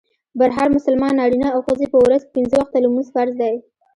پر هر مسلمان نارينه او ښځي په ورځ کي پنځه وخته لمونځ فرض دئ.